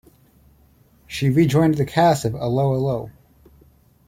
She rejoined the cast of 'Allo 'Allo!